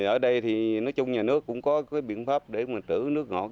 ở đây thì nói chung nhà nước cũng có cái biện pháp để mà trữ nước ngọt